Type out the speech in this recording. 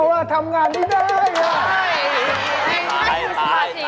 ว่าทำงานไม่ได้เลย